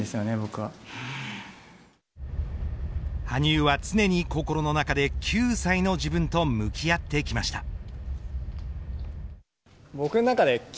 羽生は常に心の中で９歳の自分と向き合ってきました